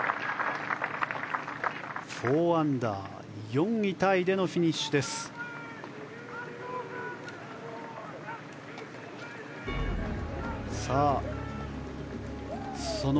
４アンダー、４位タイでのフィニッシュです、ハーマン。